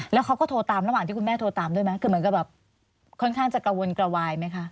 แล้วเขาก็โทรตามระหว่างที่คุณแม่โทรตามด้วยไหมคือเหมือนกับแบบค่อนข้างจะกระวนกระวายไหมคะ